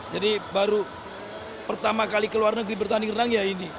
jadi baru pertama kali keluar negeri bertanding renang ya ini